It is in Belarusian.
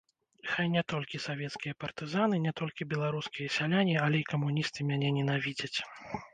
Хай не толькі савецкія партызаны, не толькі беларускія сяляне, але і камуністы мяне ненавідзяць!